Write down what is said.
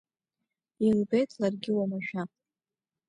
Илбеит ларгьы омашәа.